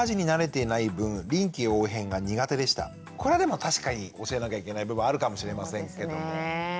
これでも確かに教えなきゃいけない部分あるかもしれませんけども。